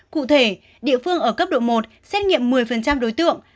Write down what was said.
cụ thể địa phương ở cấp độ một xét nghiệm một mươi đối tượng